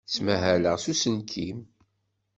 Ttmahaleɣ s uselkim.